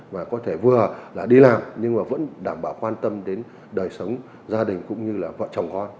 và có thể vừa là đi làm nhưng mà vẫn đảm bảo quan tâm đến đời sống gia đình cũng như là vợ chồng con